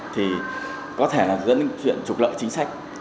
thì có thể là dẫn đến chuyện trục lợi chính sách